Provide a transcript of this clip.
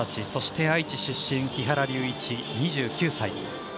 そして、愛知出身木原龍一、２９歳。